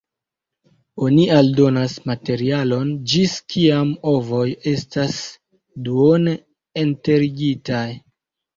Oni aldonas materialon ĝis kiam ovoj estas duone enterigitaj.